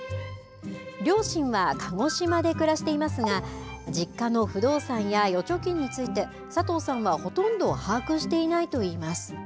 両親は鹿児島で暮らしていますが、実家の不動産や預貯金について、佐藤さんはほとんど把握していないといいます。